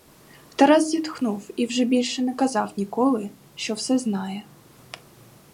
Тарас зітхнув і вже більше не казав ніколи, що все знає.